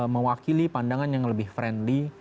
mewakili pandangan yang lebih friendly